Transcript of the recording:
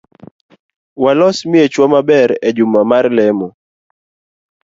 Walos miechwa maber ejuma mar lemo